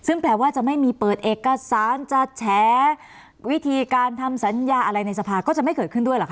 ซึ่งแปลว่าจะไม่มีเปิดเอกสารจะแฉวิธีการทำสัญญาอะไรในสภาก็จะไม่เกิดขึ้นด้วยเหรอค